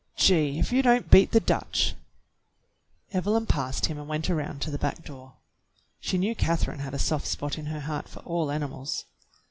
"Gee! If you don't beat the Dutch !" Evelyn passed him and went around to the back door. She knew Catherine had a soft spot in her heart for all animals.